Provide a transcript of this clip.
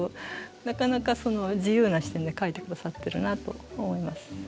なかなか自由な視点で描いてくださってるなと思います。